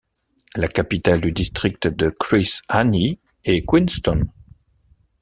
La capitale du district de Chris Hani est Queenstown.